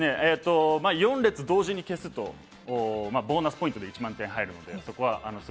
４列同時に消すとボーナスポイントで１万点が入ります。